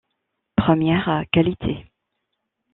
Première qualité.